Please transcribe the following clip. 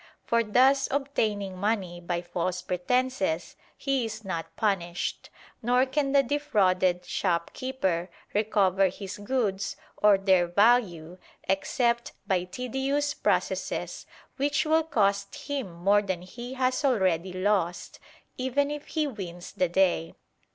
For thus obtaining money by false pretences he is not punished, nor can the defrauded shopkeeper recover his goods or their value except by tedious processes which will cost him more than he has already lost, even if he wins the day.